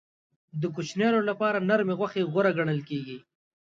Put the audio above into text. د کوچنیانو لپاره نرمې غوښې غوره ګڼل کېږي.